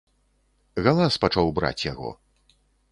Галас пачаў браць яго.